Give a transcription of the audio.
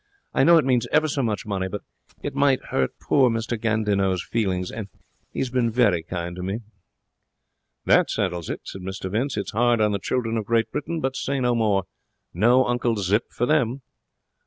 I know it means ever so much money, but it might hurt poor M. Gandinot's feelings, and he has been very kind to me.' 'That settles it,' said Mr Vince. 'It's hard on the children of Great Britain, but say no more. No Uncle Zip for them.'